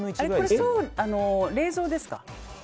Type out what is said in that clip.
これ冷蔵ですか？